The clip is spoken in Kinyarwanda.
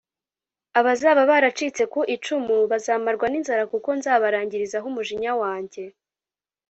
Abazaba baracitse ku icumu bazamarwa n’inzara, kuko nzabarangirizaho umujinya wanjye